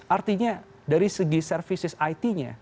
artinya dari segi services it nya